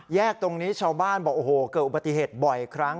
แยกตรงนี้ชาวบ้านบอกโอ้โหเกิดอุบัติเหตุบ่อยครั้ง